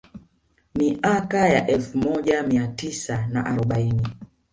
Miaka ya elfu moja mia tisa na arobaini